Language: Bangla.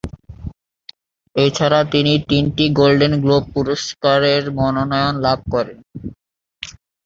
এছাড়া তিনি তিনটি গোল্ডেন গ্লোব পুরস্কারের মনোনয়ন লাভ করেন।